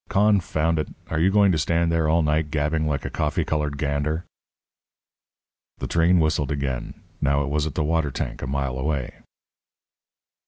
Confound it! Are you going to stand there all night gabbing like a coffee coloured gander?" The train whistled again. Now it was at the water tank, a mile away.